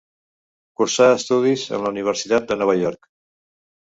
Cursà estudis en la Universitat de Nova York.